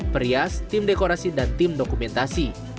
perias tim dekorasi dan tim dokumentasi